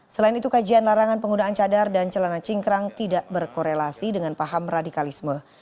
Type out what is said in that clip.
selain itu kajian larangan penggunaan cadar dan celana cingkrang tidak berkorelasi dengan paham radikalisme